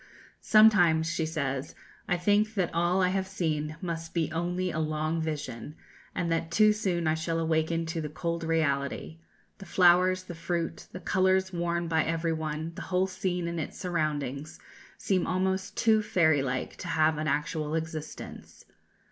"Sometimes," she says, "I think that all I have seen must be only a long vision, and that too soon I shall awaken to the cold reality; the flowers, the fruit, the colours worn by every one, the whole scene and its surroundings, seem almost too fairy like to have an actual existence."